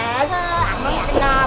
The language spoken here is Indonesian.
emang kenapa kalo lirik lirikan